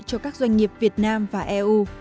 cho các doanh nghiệp việt nam và eu